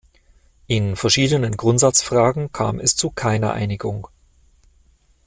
In verschiedenen Grundsatzfragen kam es zu keiner Einigung.